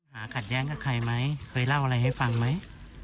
ขัดแย้งกับใครไหมเคยเล่าอะไรให้ฟังไหม